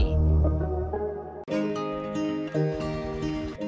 ketika banyak wisatawan ramai kesini juga safety